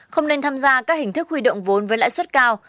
không nên tham gia các hình thức huy động vốn với lãi suất cao